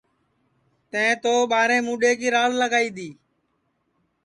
تیں تو ٻاریں موڈؔیں کی راڑ لگائی دؔی